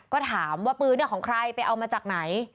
ก็ถามว่าปืนของใครไปเอามาจากไหน